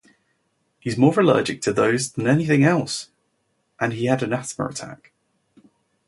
He's more allergic to those than anything else-and he had an asthma attack.